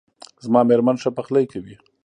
زما میرمن ښه پخلی کوي